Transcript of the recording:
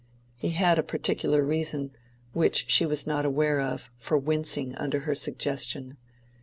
He had a particular reason, which she was not aware of, for wincing under her suggestion.